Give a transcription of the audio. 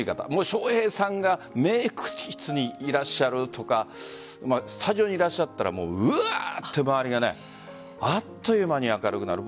笑瓶さんがメイク室にいらっしゃるとかスタジオにいらっしゃったらうわっと周りがあっという間に明るくなる。